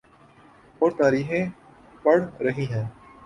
اورتاریخیں پڑ رہی ہیں۔